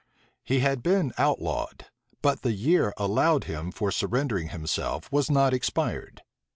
He had been outlawed; but the year allowed him for surrendering himself was not expired.